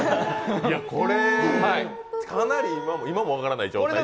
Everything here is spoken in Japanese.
これ、今も分からない状態。